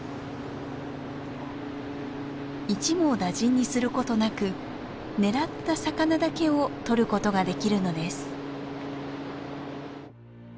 一網打尽にすることなく狙った魚だけを取ることができるのです。